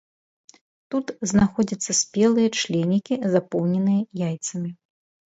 Тут знаходзяцца спелыя членікі, запоўненыя яйцамі.